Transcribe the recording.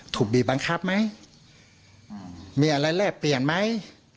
ถูกบีบบังคับไหมมีอะไรแลกเปลี่ยนไหม